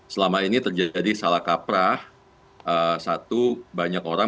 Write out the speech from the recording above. selama ini terjadi salah kaprah satu banyak orang